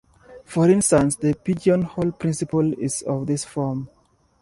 For instance, the pigeonhole principle is of this form.